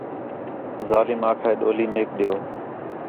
ظالم آکھا ہے ڈولی میک ݙیؤ